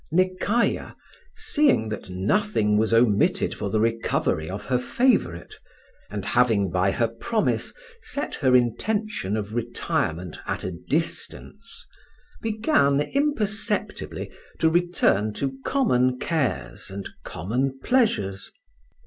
NEKAYAH, seeing that nothing was omitted for the recovery of her favourite, and having by her promise set her intention of retirement at a distance, began imperceptibly to return to common cares and common pleasures.